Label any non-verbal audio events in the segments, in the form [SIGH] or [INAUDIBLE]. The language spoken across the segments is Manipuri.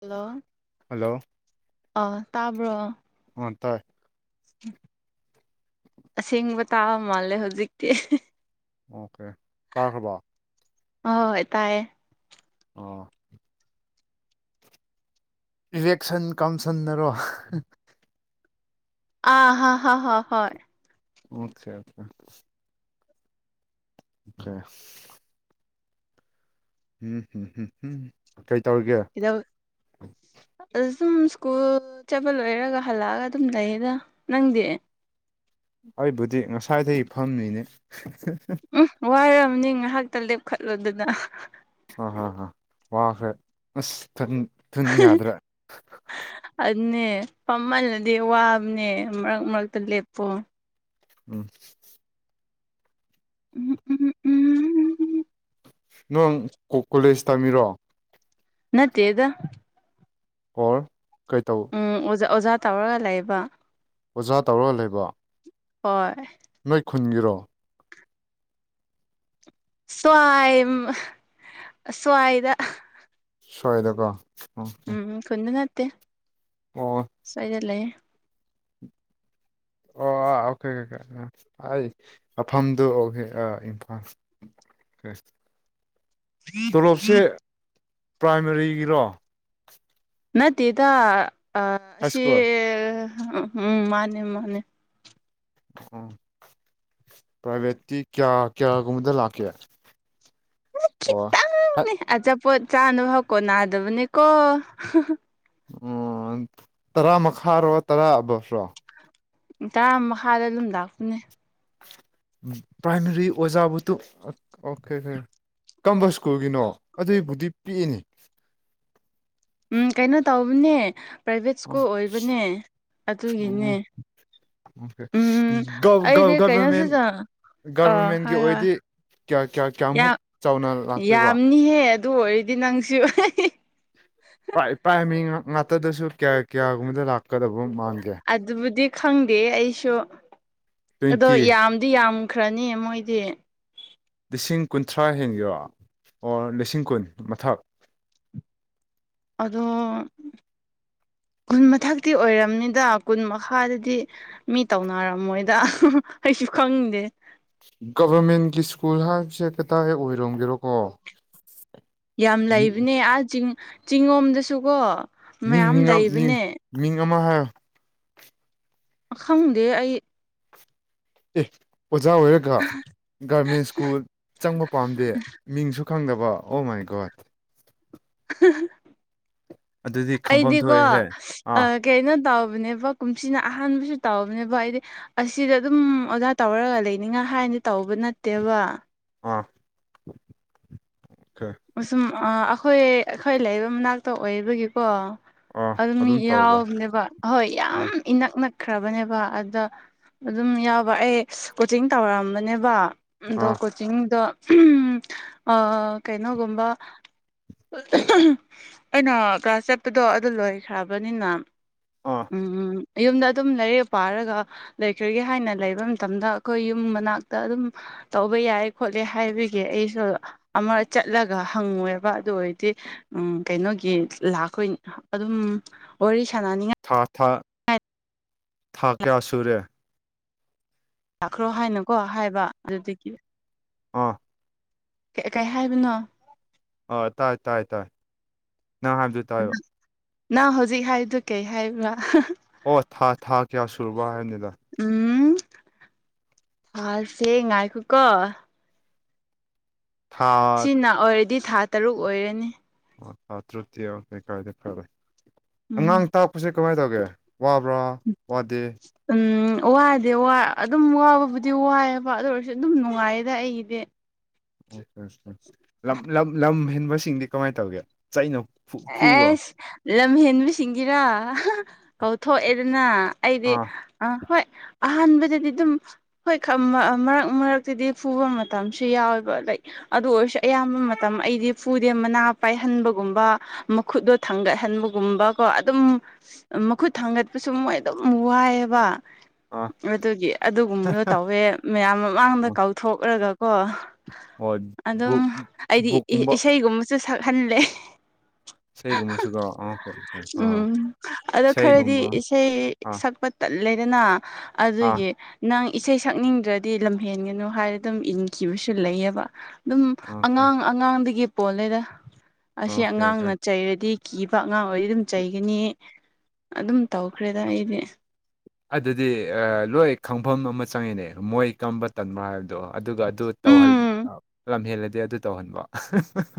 ꯍꯜꯂꯣ ꯍꯜꯂꯣ ꯑ ꯇꯥꯕ꯭ꯔꯣ ꯑ ꯇꯥꯏ ꯑꯁꯦꯡꯕ ꯇꯥꯕ ꯃꯥꯜꯂꯦ ꯍꯧꯖꯤꯛꯇꯤ ꯑꯣꯀꯦ ꯇꯥꯈ꯭ꯔꯕꯣ ꯍꯣꯏ ꯇꯥꯏꯌꯦ ꯑꯣ ꯏꯂꯦꯛꯁꯟ ꯀꯧꯟꯁꯟꯅꯔꯣ ꯑ ꯍꯥꯥ ꯍꯥ ꯍꯥ ꯍꯣꯏ ꯑꯣꯈꯦ ꯑꯦ ꯎꯝꯝꯝ ꯍꯝ ꯀꯩ ꯇꯧꯔꯤꯒꯦ ꯏꯗ ꯑ ꯁꯨꯝ ꯁ꯭ꯀꯨꯜ ꯆꯠꯄ ꯂꯣꯏꯔꯒ ꯍꯜꯂꯛꯑꯒ ꯑꯗꯨꯝ ꯂꯩꯌꯦꯗ ꯅꯪꯗꯤ ꯑꯩꯕꯨꯗꯤ ꯉꯁꯥꯏꯗꯒꯤ ꯐꯝꯃꯤꯅꯦ ꯎꯝ ꯋꯥꯔꯕꯅꯤ ꯉꯥꯏꯍꯥꯛꯇ ꯂꯦꯞꯈꯠꯂꯨꯗꯨꯅ ꯑꯍꯥ ꯍꯥ ꯋꯥꯈ꯭ꯔꯦ ꯑꯁ ꯊꯤꯟ ꯌꯥꯗ꯭ꯔꯦ ꯑꯗꯨꯅꯦ ꯄꯃꯜꯂꯗꯤ ꯋꯥꯕꯅꯦ ꯃꯔꯛ ꯃꯔꯛꯇ ꯂꯦꯞꯄꯣ ꯎꯝ ꯎꯝꯝ ꯎꯝ ꯎꯝ ꯎꯝ ꯎꯝ ꯎꯝ ꯎꯝ ꯅꯪ ꯀꯣꯂꯦꯖ ꯇꯝꯃꯤꯔꯣ ꯅꯠꯇꯦꯗ ꯑꯣꯔ ꯀꯩ ꯇꯧ ꯎꯝꯖ ꯑꯣꯖꯥ ꯇꯧꯔꯒ ꯂꯩꯕ ꯑꯣꯖꯥ ꯇꯧꯔ ꯂꯩꯕ ꯍꯣꯏ ꯅꯣꯏ ꯈꯨꯟꯒꯤꯔꯣ ꯁ꯭ꯋꯥꯏ ꯁ꯭ꯋꯥꯏꯗ ꯁꯣꯏꯗꯀꯣ ꯎꯝ ꯈꯨꯟꯗ ꯅꯠꯇꯦ ꯑꯣ ꯁꯣꯏꯗ ꯂꯩꯦ ꯑꯣ ꯑꯥ ꯑꯣꯀꯦ ꯑꯣꯀꯦ ꯑꯩ ꯃꯐꯝꯗꯨꯦ ꯑꯥ ꯏꯝꯐꯥꯜ ꯑꯦ ꯇꯣꯂꯣꯞꯁꯦ ꯄ꯭ꯔꯥꯏꯃꯥꯔꯤꯒꯤꯔꯣ ꯅꯠꯇꯦꯗ ꯑ ꯍꯥꯏ ꯁꯤ ꯁ꯭ꯀꯨꯜ ꯎꯝ ꯃꯥꯅꯦ ꯃꯥꯅꯦ ꯑꯣ ꯄ꯭ꯔꯥꯏꯚꯦꯠꯇꯤ ꯀꯌꯥ ꯀꯌꯥꯒꯨꯝꯕꯗ ꯂꯥꯛꯀꯦ ꯋꯥ ꯪꯅꯦ ꯑꯆꯥꯄꯣꯠ ꯆꯥꯅꯕ ꯍꯧꯀꯣ ꯅꯥꯗꯕꯅꯦꯀꯣ ꯑꯣ ꯇꯔꯥ ꯃꯈꯥꯔꯣ ꯇꯔꯥ ꯑꯕꯞꯔꯣ ꯇꯔꯥ ꯃꯈꯥꯗ ꯑꯗꯨꯝ ꯂꯥꯛꯄꯅꯦ ꯄ꯭ꯔꯥꯏꯃꯔꯤ ꯑꯣꯖꯥꯕꯨ ꯇꯣ ꯑꯣꯀꯦ ꯑꯣ ꯀꯝꯕ ꯁ꯭ꯀꯨꯜꯒꯤꯅꯣ ꯑꯗꯨꯏꯕꯨꯗꯤ ꯄꯤꯛꯏꯅꯤ ꯎꯝ ꯀꯩꯅꯣ ꯇꯧꯕꯅꯦ ꯄ꯭ꯔꯥꯏꯚꯦꯠ ꯁ꯭ꯀꯨꯜ ꯑꯣꯏꯕꯅꯦ ꯑꯗꯨꯒꯤꯅꯦ ꯎꯝ ꯑꯣ ꯑꯩꯗꯤ ꯒꯚꯔꯃꯦꯟ ꯀꯩꯅꯣꯁꯤꯗ ꯑꯥ ꯒꯚꯔꯃꯦꯟꯒꯤ ꯍꯣꯏ ꯍꯣꯏ ꯑꯣꯏꯗꯤ ꯀꯌꯥ ꯀꯌꯥ ꯀꯌꯥꯃꯨꯛ ꯌꯥꯝ ꯆꯥꯎꯅ ꯂꯥꯛꯇꯣꯏꯕ ꯌꯥꯝꯅꯤꯍꯦ ꯑꯗꯨ ꯑꯣꯏꯔꯗꯤ ꯅꯪꯁꯨ ꯄꯥꯏꯃꯤ ꯉꯥꯛꯇꯗꯁꯨ ꯀꯌꯥ ꯀꯌꯥꯒꯨꯝꯕꯗ ꯂꯥꯛꯀꯗꯕ ꯃꯥꯟꯒꯦ ꯑꯗꯨꯕꯨꯗꯤ ꯈꯪꯗꯦ ꯑꯩꯁꯨ ꯑꯗꯣ ꯇ꯭ꯋꯦꯟꯇꯤ ꯌꯥꯝꯗꯤ ꯌꯥꯝ ꯈ꯭ꯔꯅꯤ ꯃꯣꯏꯗꯤ ꯂꯤꯁꯤꯡ ꯀꯨꯟꯊ꯭ꯔꯥ ꯍꯦꯟꯈꯤꯕꯔ ꯑꯣꯔ ꯂꯤꯁꯤꯡ ꯀꯨꯟ ꯃꯊꯛ ꯑꯗꯣ ꯀꯨꯟ ꯃꯊꯛꯇꯤ ꯑꯣꯏꯔꯕꯝꯅꯤꯗ ꯀꯨꯟ ꯃꯈꯥꯗꯗꯤ ꯃꯤ ꯇꯧꯅꯔꯝꯃꯣꯏꯗ ꯑꯩꯁꯨ ꯈꯪꯗꯦ ꯒꯕꯔꯃꯦꯟꯒꯤ ꯁ꯭ꯀꯨꯜ ꯍꯥꯏꯕꯁꯦ ꯀꯗꯥꯏ ꯑꯣꯏꯔꯣꯝꯒꯤꯔꯣꯀꯣ ꯌꯥꯝ ꯂꯩꯕꯅꯦ ꯑꯥ ꯆꯤꯡ ꯆꯤꯡꯉꯣꯝꯗꯁꯨꯀꯣ ꯃꯤꯡ ꯃꯌꯥꯝ ꯃꯤꯡ ꯃꯤꯡ ꯂꯩꯕꯅꯦ ꯃꯤꯡ ꯑꯃ ꯈꯪꯗꯦ ꯑꯩ ꯑꯦ ꯑꯣꯖꯥ ꯑꯣꯏꯔꯒ ꯒꯔꯃꯦꯟ ꯁ꯭ꯀꯨꯜ ꯆꯪꯕ ꯄꯥꯝꯗꯦ ꯃꯤꯡꯁꯨ ꯈꯪꯗꯕ ꯑꯣ ꯃꯥꯏ ꯒꯣꯠ ꯑꯗꯨꯗꯤ ꯈꯪꯐꯝ ꯑꯩꯗꯤꯀꯣ ꯊꯣꯛꯑꯦꯍꯦ ꯑꯥ ꯀꯩꯅꯣ ꯇꯧꯕꯅꯦꯕ ꯀꯨꯝꯁꯤꯅ ꯑꯍꯥꯟꯕꯁꯨ ꯇꯧꯕꯅꯦꯕ ꯍꯥꯏꯗꯤ ꯑꯁꯤꯗ ꯑꯗꯨꯝ ꯑꯣꯖꯥ ꯇꯧꯔꯒ ꯂꯩꯅꯤꯡꯉꯥꯏ ꯍꯥꯏꯅꯗꯤ ꯇꯧꯕ ꯅꯠꯇꯦꯕ ꯑꯥ ꯑꯣꯀꯦ ꯁꯨꯝ ꯑꯩꯈꯣꯏ ꯑꯩꯈꯣꯏ ꯂꯩꯕ ꯃꯅꯥꯛꯇ ꯑꯣꯏꯕꯒꯤꯀꯣ ꯑꯥ ꯑꯗꯨꯝ ꯃꯤ ꯇꯧꯕ ꯌꯥꯎꯕꯅꯦꯕ ꯑꯍꯣꯏ ꯌꯥꯝ ꯑꯥ ꯏꯅꯛ ꯅꯛꯈ꯭ꯔꯕꯅꯦꯕ ꯑꯗ ꯑꯗꯨꯝ ꯌꯥꯎꯕ ꯑꯩ ꯀꯣꯆꯤꯡ ꯇꯧꯔꯝꯕꯅꯦꯕ ꯑꯗꯣ ꯑꯥ ꯀꯣꯆꯤꯡꯗꯣ ꯀꯩꯅꯣꯒꯨꯝꯕ ꯑꯩꯅ ꯀ꯭ꯂꯥꯁ ꯆꯠꯄꯗꯣ ꯑꯗꯨ ꯂꯣꯏꯈ꯭ꯔꯕꯅꯤꯅ ꯑꯥ ꯎꯝ ꯎꯝ ꯌꯨꯝꯗ ꯑꯗꯨꯝ ꯂꯩꯔꯛ ꯄꯥꯔꯒ ꯂꯩꯈ꯭ꯔꯒꯦ ꯍꯥꯏꯅ ꯂꯩꯕ ꯃꯇꯝꯗ ꯑꯩꯈꯣꯏ ꯌꯨꯝ ꯃꯅꯥꯛꯇ ꯑꯗꯨꯝ ꯇꯧꯕ ꯌꯥꯏ ꯈꯣꯠꯂꯦ ꯍꯥꯏꯕꯒꯤ ꯑꯩꯁꯨ ꯑꯃ ꯆꯠꯂꯒ ꯍꯪꯉꯨꯌꯦꯕ ꯑꯗꯨ ꯑꯣꯏꯔꯗꯤ ꯎꯝ ꯀꯩꯅꯣꯒꯤ ꯂꯥꯛꯈꯣꯏ ꯑꯗꯨꯝ ꯋꯥꯔꯤ ꯁꯥꯟꯅꯅꯤꯡꯉꯥꯏ ꯊꯥ ꯊꯥ ꯊꯥ ꯀꯌꯥ ꯁꯨꯔꯦ ꯂꯥꯛꯈ꯭ꯔꯣ ꯍꯥꯏꯅꯀꯣ ꯍꯥꯏꯕ ꯑꯗꯨꯗꯒꯤ ꯑꯣ ꯀꯩ ꯍꯥꯏꯕꯅꯣ ꯑ ꯇꯥꯏ ꯇꯥꯏ ꯇꯥꯏ ꯅꯪ ꯍꯥꯏꯕꯗꯨ ꯇꯥꯏꯕ ꯅꯍꯪ ꯍꯧꯖꯤꯛ ꯍꯥꯏꯔꯤꯗꯨ ꯀꯩ ꯍꯥꯏꯔꯤꯕ꯭ꯔꯥ ꯑꯣ ꯊꯥ ꯊꯥ ꯀꯌꯥ ꯁꯨꯨꯔꯕ ꯍꯥꯏꯕꯅꯤꯗ ꯎꯝ ꯊꯥꯁꯦ ꯉꯥꯏꯈꯣꯀꯣ ꯊꯥ ꯁꯤꯅ ꯑꯣꯏꯔꯗꯤ ꯊꯥ ꯇꯔꯨꯛ ꯑꯣꯏꯔꯅꯤ ꯎꯝ ꯑꯉꯥꯡ ꯇꯥꯛꯄꯁꯦ ꯀꯃꯥꯏꯅ ꯇꯧꯒꯦ ꯋꯥꯕ꯭ꯔꯥ ꯋꯥꯗꯦ ꯎꯝ ꯋꯥꯗꯤ ꯋꯥ ꯑꯗꯨꯝ ꯋꯥꯕꯕꯨꯗꯤ ꯋꯥꯏꯑꯦꯕ ꯑꯗꯨ ꯑꯣꯏꯔꯁꯨ ꯑꯗꯨꯝ ꯅꯨꯡꯉꯥꯏꯌꯦꯗ ꯑꯩꯒꯤꯗꯤ ꯎ ꯎ ꯎ ꯂꯝ ꯂꯝ ꯂꯝ ꯍꯦꯟꯕꯁꯤꯡꯗꯤ ꯀꯃꯥꯏꯅ ꯇꯧꯒꯦ ꯆꯩꯅ ꯐꯨ ꯐꯨꯕ꯭ꯔꯣ ꯑꯦꯁ ꯂꯝ ꯍꯦꯟꯕꯁꯤꯡꯒꯤꯔꯥ ꯀꯧꯊꯣꯛꯑꯦꯗꯅ ꯑꯩꯗꯤ ꯑꯥ ꯑ ꯍꯣꯏ ꯑꯍꯥꯟꯕꯗꯗꯤ ꯑꯗꯨꯝ ꯍꯣꯏ ꯃꯔꯛ ꯃꯔꯛꯇꯨꯗꯤ ꯐꯨꯕ ꯃꯇꯝꯁꯨ ꯌꯥꯎꯋꯦꯕ ꯂ ꯑꯗꯨ ꯑꯣꯏꯔꯁꯨ ꯑꯌꯥꯝꯕ ꯃꯇꯝ ꯑꯩꯗꯤ ꯐꯨꯗꯦ ꯃꯅꯥ ꯄꯥꯏꯍꯟꯕꯒꯨꯝꯕ ꯃꯈꯨꯠꯇꯣ ꯊꯥꯡꯒꯠꯍꯟꯕꯒꯨꯝꯕ ꯀꯣ ꯑꯗꯨꯝ ꯃꯈꯨꯠ ꯊꯥꯡꯒꯠꯄꯁꯨ ꯃꯣꯏ ꯑꯗꯨꯝ ꯋꯥꯏꯌꯦꯕ ꯑꯥ ꯑꯗꯨꯒꯤ ꯑꯗꯨꯒꯨꯝꯕꯗꯣ ꯇꯧꯋꯦ ꯃꯌꯥꯝ ꯃꯃꯥꯡꯗ ꯀꯧꯊꯣꯛꯂꯒꯀꯣ ꯍꯣꯏ ꯑꯗꯨꯝ ꯕꯨꯛ ꯑꯩꯗꯤ ꯕꯨꯛꯀꯨꯝꯕ ꯏꯁꯩꯒꯨꯝꯕꯁꯨ ꯁꯛꯍꯜꯂꯦ ꯏꯁꯩꯒꯨꯝꯕꯁꯨ ꯀꯣ ꯎꯝ ꯑꯗꯣ ꯏꯁꯩꯒꯨꯝꯕ ꯈꯔꯗꯤ ꯏꯁꯩ ꯑꯥ ꯁꯛꯄ ꯇꯜꯂꯦꯗꯅ ꯑꯥ ꯑꯗꯨꯒꯤ ꯅꯪ ꯏꯁꯩ ꯁꯛꯅꯤꯡꯗ꯭ꯔꯗꯤ ꯂꯝꯍꯦꯟꯒꯅꯨ ꯍꯥꯏꯔ ꯑꯗꯨꯝ ꯏꯟꯈꯤꯕꯁꯨ ꯂꯩꯌꯦꯕ ꯑꯗꯨꯝ ꯑꯣꯀꯦ ꯑꯉꯥꯡ ꯑꯉꯥꯡꯗꯒꯤ ꯄꯣꯂꯦꯗ ꯑꯣꯀꯦ ꯑꯣꯀꯦ ꯆꯩꯔꯗꯤ ꯀꯤꯕ ꯑꯉꯥꯡ ꯑꯣꯏꯗꯤ ꯑꯗꯨꯝ ꯆꯩꯒꯅꯤ ꯑꯗꯨꯝ ꯇꯧꯈ꯭ꯔꯦꯗ ꯑꯩꯗꯤ ꯑꯗꯨꯗꯤ ꯂꯣꯏ ꯈꯪꯐꯝ ꯑꯃ ꯆꯪꯉꯦꯅꯦ ꯃꯣꯏ ꯀꯝꯕ ꯇꯟꯕ꯭ꯔꯥ ꯍꯥꯏꯕꯗꯣ ꯑꯗꯨꯒ ꯑꯗꯨ ꯇꯧꯍꯟ ꯎꯝ ꯂꯝ ꯍꯦꯜꯂꯗꯤ ꯑꯗꯨ ꯇꯧꯍꯟꯕ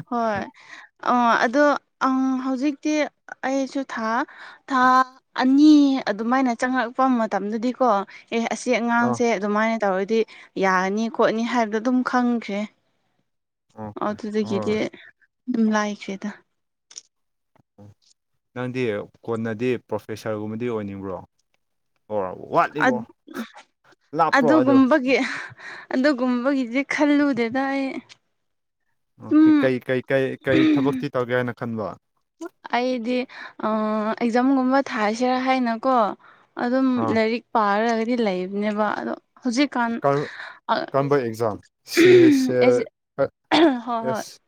ꯍꯣꯏ ꯑ ꯑꯗꯣ ꯍꯧꯖꯤꯛꯇꯤ ꯑꯩꯁꯨ ꯊꯥ ꯊꯥ ꯑꯅꯤ ꯑꯗꯨꯃꯥꯏꯅ ꯆꯪꯉꯛꯄ ꯃꯇꯝꯗꯗꯤꯀꯣ ꯑꯦ ꯑꯁꯤ ꯑꯣ ꯑꯉꯥꯡꯁꯦ ꯑꯗꯨꯃꯥꯏꯅ ꯇꯧꯔꯗꯤ ꯌꯥꯔꯅꯤ ꯈꯣꯠꯅꯤ ꯍꯥꯏꯕꯗꯣ ꯑꯗꯨꯝ ꯈꯪꯈ꯭ꯔꯦ ꯑꯣꯀꯦ ꯑꯗꯨꯗꯒꯤꯗꯤ ꯍꯣꯏ ꯑꯗꯨꯝ ꯂꯥꯏꯈ꯭ꯔꯦꯗ ꯑꯣ ꯅꯪꯗꯤ ꯀꯣꯟꯅꯗꯤ ꯄ꯭ꯔꯣꯐꯦꯁꯔꯒꯨꯝꯕꯗꯤ ꯑꯣꯏꯅꯤꯡꯕ꯭ꯔꯣ ꯑꯣꯔ ꯑ ꯋꯥꯠꯂꯤꯕꯣ ꯂꯥꯞꯄ꯭ꯔꯣ ꯑꯗꯣ ꯑꯗꯨꯒꯨꯝꯕꯒꯤ ꯑꯗꯨꯒꯨꯝꯕꯒꯤꯗꯤ ꯈꯜꯂꯨꯗꯦꯗ ꯑꯩ ꯑꯣꯦ ꯁꯨꯝ ꯀꯩ ꯀꯩ ꯀꯩ ꯀꯩ ꯊꯕꯛꯇꯤ ꯇꯧꯒꯦ ꯍꯥꯏꯅ ꯈꯟꯕ ꯑꯩꯗꯤ ꯑꯦꯛꯖꯥꯝꯒꯨꯝꯕ ꯊꯥꯁꯤꯔꯥ ꯍꯥꯏꯅꯀꯣ ꯑꯗꯨꯝ ꯑꯥ ꯂꯥꯏꯔꯤꯛ ꯄꯥꯔꯒꯗꯤ ꯂꯩꯕꯅꯦꯕ ꯑꯗꯣ ꯍꯧꯖꯤꯛ ꯀꯥꯟꯁꯤ ꯀꯔꯝꯕ ꯑꯦꯛꯖꯥꯝ ꯁꯤ ꯍꯩꯁ ꯑꯦꯜ [UNINTELLIGIBLE] ꯍꯣꯏ ꯍꯣꯏ ꯑꯦꯁ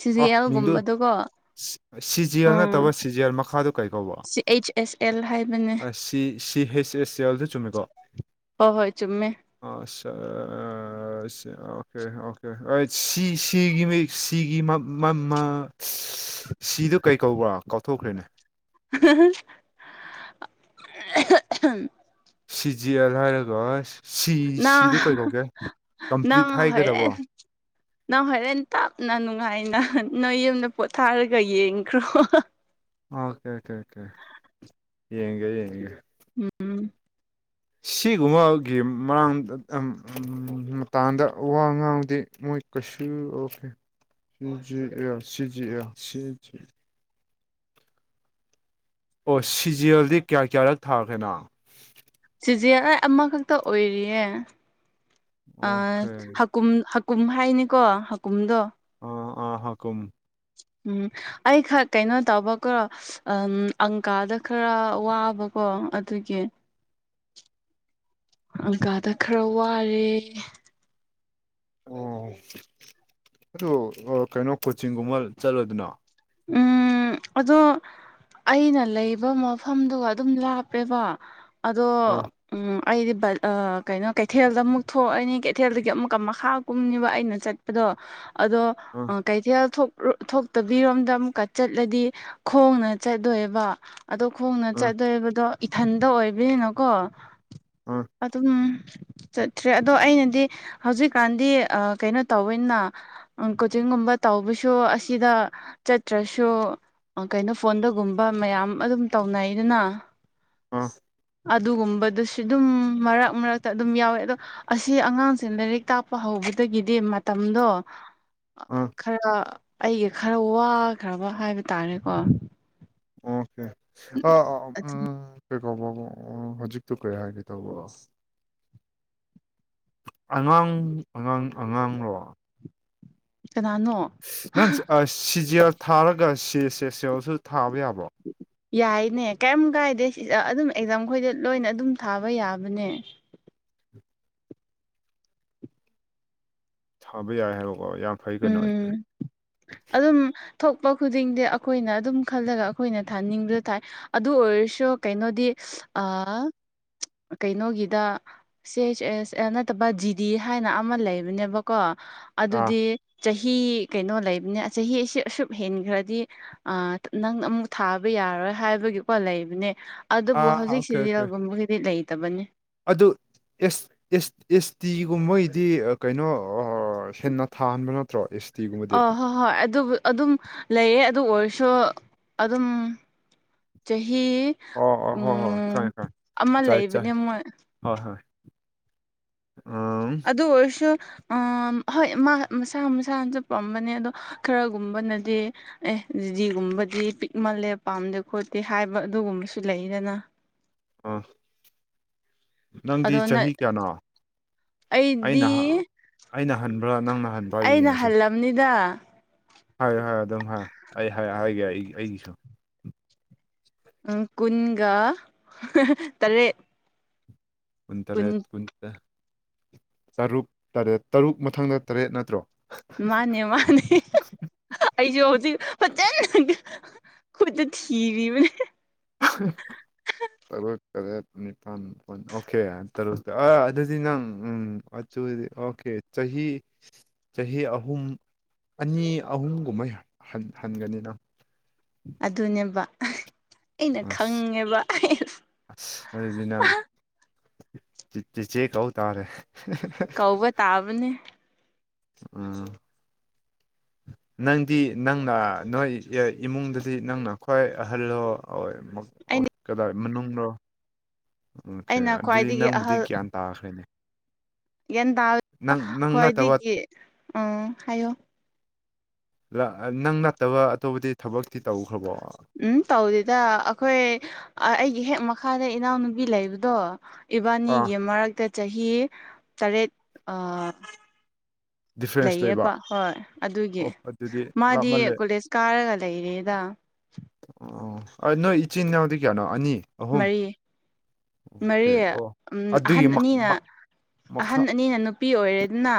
ꯇꯤ ꯖꯤ ꯑ ꯃꯤꯡꯗꯨ ꯑꯦꯜꯒꯨꯝꯕꯗꯨꯀꯣ ꯁꯤꯖꯦꯜ ꯎꯝ ꯅꯠꯇꯕ ꯁꯤꯖꯦꯜ ꯃꯈꯥꯗ ꯀꯩꯀꯧꯕ ꯁꯤ ꯑꯩꯆ ꯑꯦꯁ ꯑꯦꯜ ꯍꯥꯏꯕꯅꯦ ꯑ ꯁꯤ ꯁꯤ ꯍꯩꯁ ꯑꯦꯁ ꯑꯦꯜꯗ ꯆꯨꯝꯃꯦꯀꯣ ꯍꯣꯏ ꯍꯣꯏ ꯆꯨꯝꯃꯦ ꯑ ꯁ ꯑꯣꯀꯦ ꯑꯣꯀꯦ ꯁꯤ ꯁꯤꯒꯤ ꯁꯤꯒꯤ ꯃꯃ ꯁꯤꯗ ꯀꯩ ꯀꯧꯕ꯭ꯔꯥ ꯀꯥꯎꯊꯣꯛꯈ꯭ꯔꯦꯅꯦ [UNINTELLIGIBLE] ꯁꯤ ꯖꯤ ꯑꯦꯜ ꯍꯥꯏꯔꯒ ꯅꯪ ꯁꯤꯁꯤꯗꯨ ꯀꯩꯀꯧꯒꯦ ꯅꯪ ꯀꯝꯄ꯭ꯂꯤꯠ ꯍꯥꯏꯒꯗꯕ꯭ꯔꯣ꯫ ꯍꯣꯔꯦꯟ ꯅꯪ ꯍꯣꯔꯦꯟ ꯇꯞꯅ ꯅꯨꯡꯉꯥꯏꯅ ꯅꯣꯏ ꯌꯦꯝꯗ ꯄꯣꯊꯥꯔꯒ ꯌꯦꯡꯈ꯭ꯔꯣ ꯑꯣꯀꯦ ꯑꯣꯀꯦ ꯑꯣꯀꯦ ꯌꯦꯡꯒꯦ ꯌꯦꯡꯒꯦ ꯎꯝ ꯁꯤꯒꯨꯝꯕꯒꯤꯡ ꯃꯇꯥꯡꯗꯋꯥ ꯉꯥꯡꯗꯤ ꯃꯣꯏ ꯀ ꯑꯣ ꯁꯤꯖꯤ ꯁꯤꯖꯤ ꯑ ꯁꯤ ꯑꯣ ꯁꯤꯖꯦꯜꯗꯤ ꯀꯌꯥ ꯀꯌꯥꯔꯛ ꯊꯥꯈꯦꯅꯣ ꯆꯤꯖꯦꯜꯥꯏ ꯑꯃꯈꯛꯇ ꯑꯣꯏꯔꯤꯌꯦ ꯑꯣꯀꯦ ꯍꯨꯝ ꯍꯀꯨꯝ ꯍꯥꯏꯅꯤꯀꯣ ꯍꯀꯨꯝꯗꯣ ꯑꯥ ꯑꯥ ꯍꯥꯀꯨꯝ ꯎꯝ ꯑꯩ ꯈ ꯀꯩꯅꯣ ꯇꯧꯕꯀꯣ ꯎꯝ ꯑꯪꯀꯥꯗ ꯈꯔ ꯋꯥꯕꯀꯣ ꯑꯗꯨꯒꯤ ꯑꯜꯀꯥꯗ ꯈꯔ ꯋꯥꯔꯦ ꯑꯣ ꯑꯗꯨ ꯀꯩꯅꯣ ꯀꯣꯆꯤꯡꯒꯨꯝꯕ ꯆꯠꯂꯣꯏꯗꯅꯣ ꯎꯝ ꯑꯗꯣ ꯑꯩꯅ ꯂꯩꯕ ꯃꯐꯝꯗꯨꯒ ꯑꯗꯨꯝ ꯂꯥꯞꯄꯦꯕ ꯑꯗꯣ ꯑꯥ ꯑꯩꯗꯤ ꯀꯩꯅꯣ ꯀꯩꯊꯦꯜꯗ ꯑꯃꯨꯛ ꯊꯣꯛꯑꯅꯤ ꯀꯩꯊꯦꯜꯗꯒꯤ ꯑꯃꯨꯛꯀ ꯃꯈꯥ ꯀꯨꯝꯅꯤꯕ ꯑꯩꯅ ꯆꯠ ꯑꯗꯣ ꯑꯗꯣ ꯑꯥ ꯀꯩꯊꯦꯜ ꯊꯣꯛꯇꯕꯤꯔꯣꯝ ꯑꯗ ꯑꯃꯨꯛꯀ ꯆꯠꯂꯗꯤ ꯈꯣꯡꯅ ꯆꯠꯇꯠꯇꯣꯏꯕ ꯑꯗꯣ ꯈꯣꯡꯅ ꯑꯥ ꯆꯠꯇꯣꯏꯕꯗꯣ ꯏꯊꯟꯇ ꯑꯣꯏꯕꯅꯨꯀꯣ ꯑꯥ ꯑꯗꯨꯝ ꯆꯠꯇ꯭ꯔꯦ ꯑꯗꯣ ꯑꯩꯅꯗꯤ ꯍꯧꯖꯤꯛꯀꯥꯟꯗꯤ ꯀꯩꯅꯣ ꯇꯋꯅ ꯀꯣꯆꯤꯡꯒꯨꯝꯕ ꯇꯧꯕꯁꯨ ꯑꯁꯤꯗ ꯆꯠꯇ꯭ꯔꯁꯨ ꯀꯩꯅꯣ ꯐꯣꯟꯗꯒꯨꯝꯕ ꯃꯌꯥꯝ ꯑꯗꯨꯝ ꯇꯧꯅꯩꯗꯨꯅ ꯑꯥ ꯑꯗꯨꯒꯨꯝꯕꯗꯨꯁꯨ ꯑꯗꯨꯝ ꯃꯔꯛ ꯃꯔꯛꯇ ꯑꯗꯨꯝ ꯌꯥꯎꯋꯦ ꯑꯗꯣ ꯑꯁꯤ ꯑꯉꯥꯡꯁꯦ ꯂꯥꯏꯔꯤꯛ ꯇꯥꯛꯄ ꯍꯧꯕꯗꯒꯤꯗꯤ ꯃꯇꯝꯗꯣ ꯎ ꯈꯔ ꯑꯩꯒ ꯈꯔ ꯋꯥꯈ꯭ꯔꯕ ꯍꯥꯏꯕ ꯇꯥꯔꯦꯀꯣ ꯑꯣꯀꯦ ꯑ ꯑ ꯎꯝ ꯀꯩꯀꯧꯕ ꯍꯧꯖꯤꯛꯇꯨ ꯀꯩ ꯍꯥꯏꯒꯦ ꯇꯧꯕ ꯑꯉꯥꯡ ꯑꯉꯥꯡ ꯑꯉꯥꯡꯂꯣ ꯀꯅꯥꯅꯣ ꯅꯪ ꯁꯤꯖꯦꯜ ꯊꯥꯔꯒ ꯁꯤ ꯍꯩꯁ ꯁꯦꯜꯁꯨ ꯊꯥꯕ ꯌꯥꯕꯣ ꯌꯥꯏꯅꯦ ꯀꯔꯤꯝ ꯀꯥꯏꯗꯦ ꯑꯗꯨꯝ ꯑꯦꯛꯖꯥꯝ ꯈꯣꯏꯗ ꯂꯣꯏꯅ ꯑꯗꯨꯝ ꯊꯥꯕ ꯌꯥꯕꯅꯦ ꯊꯥꯕ ꯌꯥꯏ ꯍꯥꯏꯕꯀꯣ ꯌꯥꯝ ꯐꯩ ꯎꯝ ꯀꯩꯅꯣꯗꯤ ꯑꯗꯨꯝ ꯊꯣꯛꯄ ꯈꯨꯗꯤꯡꯗꯤ ꯑꯩꯈꯣꯏꯅ ꯑꯗꯨꯝ ꯈꯜꯂꯒ ꯑꯩꯈꯣꯏꯅ ꯊꯥꯅꯤꯡꯕ ꯊꯥꯏ ꯑꯗꯨ ꯑꯣꯏꯔꯁꯨ ꯀꯩꯅꯣꯗꯤ ꯑ ꯀꯩꯅꯣꯒꯤꯗ ꯁꯤ ꯍꯩꯆ ꯑꯦꯁ ꯑꯦ ꯅꯠꯇꯕ ꯖꯤꯗꯤ ꯍꯥꯏꯅ ꯑꯃ ꯂꯩꯕꯅꯦꯕꯀꯣ ꯑꯥ ꯑꯗꯨꯗꯤ ꯆꯍꯤ ꯀꯩꯅꯣ ꯂꯩꯕꯅꯤ ꯆꯍꯤꯁꯦ ꯑꯁꯨꯛ ꯍꯦꯟꯈ꯭ꯔꯗꯤ ꯑ ꯅꯪ ꯑꯃꯨꯛ ꯊꯥꯕ ꯌꯥꯔꯣꯏ ꯍꯥꯏꯕꯒꯤꯀꯣ ꯂꯩꯕꯅꯦ ꯑꯗꯨꯕꯨ ꯑꯥ ꯑꯣꯀꯦ ꯍꯧꯖꯤꯛꯁꯤꯗꯤ ꯑꯣꯀꯦ ꯔꯦꯜꯒꯨꯝꯕꯒꯤꯗꯤ ꯂꯩꯇꯕꯅꯤ ꯑꯗꯨ ꯑꯦꯁ ꯑꯦꯁ ꯑꯦꯁ ꯇꯤꯒꯨꯝꯕꯒꯤꯗꯤ ꯀꯩꯅꯣ ꯍꯦꯟꯅ ꯊꯥꯍꯟꯕ ꯅꯠꯇ꯭ꯔꯣ ꯑ ꯇꯤꯒꯨꯝꯕꯗꯤ ꯍꯣꯏ ꯍꯣꯏ ꯑꯗꯨꯕꯨ ꯑꯗꯨꯝ ꯂꯩꯌꯦ ꯑꯗꯨ ꯑꯣꯏꯔꯁꯨ ꯑꯗꯨꯝ ꯆꯍꯤ ꯑꯣ ꯑꯣ ꯎ ꯍꯣꯏ ꯍꯣꯏ ꯈꯪꯉꯦ ꯈꯪꯉꯦ ꯑꯃ ꯆꯥꯏ ꯆꯥꯏ ꯂꯩꯕꯅꯦ ꯃꯣꯏ ꯍꯣꯏ ꯍꯣꯏ ꯎꯝ ꯑꯗꯨ ꯑꯣꯏꯔꯁꯨ ꯑ ꯍꯣꯏ ꯃꯥ ꯃꯁꯥ ꯃꯁꯥꯅꯁꯨꯠ ꯄꯥꯝꯕꯅꯦ ꯑꯗꯣ ꯈꯔꯒꯨꯝꯕꯅꯗꯤ ꯑꯦ ꯖꯤꯖꯤꯒꯨꯝꯕꯗꯤ ꯄꯤꯛꯃꯜꯂꯦ ꯄꯥꯝꯗꯦ ꯈꯣꯠꯇꯦ ꯍꯥꯏꯕ ꯑꯗꯨꯒꯨꯝꯕꯁꯨ ꯂꯩꯗꯅ ꯑꯥ ꯅꯪꯗꯤ ꯑꯗꯣ ꯅ ꯆꯍꯤ ꯀꯌꯥꯅꯣ ꯑꯩꯅ ꯑꯩꯗꯤ ꯑꯩꯅ ꯍꯟꯕ꯭ꯔꯥ ꯅꯪꯅ ꯍꯟꯕ꯭ꯔꯥ ꯌꯦꯡꯉꯁꯤ ꯑꯅꯤꯗ ꯍꯥꯏꯌꯣ ꯍꯥꯏꯌꯣ ꯑꯗꯨꯝ ꯍꯥꯏ ꯑꯩ ꯍꯥꯏ ꯍꯥꯏꯒꯦ ꯑꯩ ꯑꯩꯒꯤꯁꯨ ꯀꯨꯟꯒ ꯇꯔꯦꯠ ꯀꯨꯟꯇꯔꯦꯠ ꯀꯨꯟ ꯇꯔꯨꯛ ꯇꯔꯦꯠ ꯇꯔꯨꯛ ꯃꯊꯪꯗ ꯇꯔꯦꯠ ꯅꯠꯇ꯭ꯔꯣ ꯃꯥꯅꯦ ꯃꯥꯅꯦ [UNINTELLIGIBLE] ꯑꯩꯖꯨ ꯍꯧꯖꯤꯛ ꯐꯖꯅ ꯈꯨꯠꯇ ꯊꯤꯔꯤꯕꯅꯦ [UNINTELLIGIBLE] ꯇꯔꯨꯛ ꯇꯔꯦꯠ ꯅꯤꯄꯥꯜꯄꯨꯟ ꯑꯣꯀꯦ ꯇꯔꯨꯛ ꯑꯗꯨꯗꯤ ꯅꯪ ꯎꯝ [UNINTELLIGIBLE] ꯑꯣꯀꯦ ꯆꯍꯤ ꯆꯍꯤ ꯑꯍꯨꯝ ꯑꯅꯤ ꯑꯍꯨꯝꯒꯨꯝꯕ ꯍꯟꯒꯅꯤꯗ ꯑꯗꯨꯅꯦꯕ ꯑꯩꯅ ꯑꯁ ꯈꯪꯉꯦꯕ ꯑꯁ ꯑꯗꯨꯗꯤ ꯅꯪ ꯆꯤꯆꯦ ꯀꯧ ꯇꯥꯔꯦ ꯀꯧꯕ ꯇꯥꯕꯅꯦ ꯎꯝ [INAUDIBLE] ꯅꯪꯗꯤ ꯅꯪꯅ ꯅꯣꯏ ꯏꯃꯨꯡꯗꯗꯤ ꯅꯪꯅ ꯈ꯭ꯋꯥꯏ ꯑꯍꯜꯂꯣ ꯑꯩꯅ [UNINTELLIGIBLE] ꯀꯗꯥꯏ ꯃꯅꯨꯡꯅꯣ ꯑꯣꯀꯦ ꯑꯩꯅ ꯑꯗꯨꯗꯤ ꯈ꯭ꯋꯥꯏꯗꯒꯤ ꯅꯪꯕꯨꯗꯤ ꯑꯍꯜ ꯒ꯭ꯌꯥꯟ ꯇꯥꯈ꯭ꯔꯦ ꯒ꯭ꯌꯥꯟ ꯇꯥ [UNINTELLIGIBLE] ꯅꯪ ꯍꯣꯏ ꯅꯠꯇꯕ ꯑꯗꯨꯒꯤ ꯎꯝ ꯍꯥꯏꯌꯣ [UNINTELLIGIBLE] ꯅꯪ ꯅꯠꯇꯕ ꯑꯇꯣꯞꯄꯗꯤ ꯊꯕꯛꯇꯤ ꯇꯧꯈ꯭ꯔꯕꯣ ꯎꯝ ꯇꯧꯗꯦꯗ ꯑꯩꯈꯣꯏ ꯑꯩꯒꯤ ꯍꯦꯛ ꯃꯈꯥꯗ ꯏꯅꯥꯎꯅꯨꯄꯤ ꯂꯩꯕꯗꯣ ꯑꯥ ꯏꯕꯥꯅꯤꯒꯤ ꯃꯔꯛꯇ ꯆꯍꯤ ꯇꯔꯦꯠ ꯗꯤꯐ꯭ꯔꯦꯟꯁ ꯂꯩꯕ ꯂꯩꯌꯦꯕ ꯍꯣꯏ ꯑꯗꯨꯒꯤ ꯑꯣ ꯑꯗꯨꯗꯤ ꯃꯥꯗꯤ ꯂꯥꯞꯃꯜꯂꯦ ꯀꯣꯂꯦꯖ ꯀꯥꯔꯒ ꯂꯩꯔꯦꯗ ꯑꯣ ꯅꯣꯏ ꯏꯆꯤꯟ ꯏꯅꯥꯎꯗꯤ ꯀꯌꯥꯅꯣ ꯑꯅꯤ ꯑꯍꯨꯝ ꯃꯔꯤ ꯑꯣꯀꯦ ꯃꯔꯤ ꯑꯣ ꯎꯝ ꯑꯍꯟ ꯑꯗꯨꯒꯤ ꯃꯛ ꯑꯅꯤꯅ ꯃꯛ ꯑꯍꯟ ꯃꯈꯥ ꯑꯅꯤꯅ ꯅ ꯄꯤ ꯑꯣꯏꯔꯦꯅ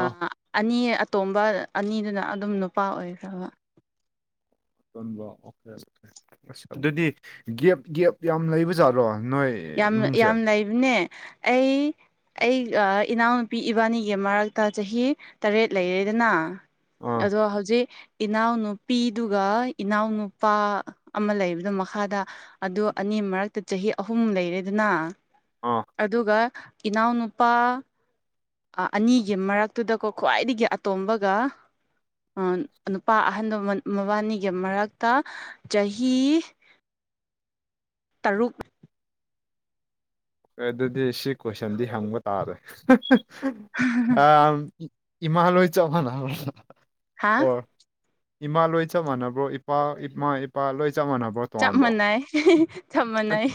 ꯑꯥ ꯑꯅꯤ ꯑꯇꯣꯝꯕ ꯑꯅꯤꯗꯨꯅ ꯑꯗꯨꯝ ꯅꯨꯄꯥ ꯑꯣꯏꯈ꯭ꯔꯕ [UNINTELLIGIBLE] ꯑꯁ ꯑꯗꯨꯗꯤ ꯒꯦꯞ ꯒꯦꯞ ꯌꯥꯝ ꯂꯩꯕꯖꯥꯠꯔꯣ ꯅꯣꯏ ꯌꯥꯝ ꯏꯃꯨꯡꯁꯦ ꯌꯥꯝ ꯂꯩꯕꯅꯦ ꯑꯩ ꯑꯩꯒ ꯏꯅꯥꯎꯅꯨꯄꯤ ꯏꯕꯥꯅꯤꯒꯤ ꯃꯔꯛꯇ ꯆꯍꯤ ꯇꯔꯦꯠ ꯂꯩꯔꯦꯗꯅ ꯑꯥ ꯑꯗꯣ ꯍꯧꯖꯤꯛ ꯏꯅꯥꯎꯅꯨꯄꯤꯗꯨꯒ ꯏꯅꯥꯎꯅꯨꯄꯥ ꯑꯃ ꯂꯩꯕꯗꯣ ꯃꯈꯥꯗ ꯑꯗꯨ ꯑꯅꯤ ꯃꯔꯛꯇ ꯆꯍꯤ ꯑꯍꯨꯝ ꯂꯩꯔꯦꯗꯅ ꯑꯥ ꯑꯗꯨꯒ ꯏꯅꯥꯎꯅꯨꯄꯥ ꯑꯅꯤꯒꯤ ꯃꯔꯛꯇꯨꯗꯀꯣ ꯈ꯭ꯋꯥꯏꯗꯒꯤ ꯑꯇꯣꯝꯕꯒ ꯅꯨꯄꯥ ꯑꯍꯟꯗꯣ ꯃꯕꯥꯅꯤꯒꯤ ꯃꯔꯛꯇ ꯆꯍꯤ ꯇꯔꯨꯛ ꯑꯗꯨꯗꯤ ꯁꯤ ꯀꯣꯏꯁꯟꯗꯤ ꯍꯪꯕ ꯇꯥꯔꯣꯏ ꯑ ꯏꯃꯥꯂꯣꯏ ꯆꯕꯅ ꯍꯥ ꯑꯣ ꯏꯃꯥ ꯂꯣꯏ ꯆꯞ ꯃꯥꯟꯅꯕ꯭ꯔꯣ ꯏꯄꯥ ꯏꯃꯥ ꯏꯄꯥ ꯂꯣꯏ ꯆꯞ ꯃꯥꯟꯅꯕ꯭ꯔꯣ ꯆꯞ ꯇꯣꯉꯥꯟꯕ꯭ꯔꯣ ꯃꯥꯟꯅꯩ ꯆꯞ ꯃꯥꯟꯅꯩ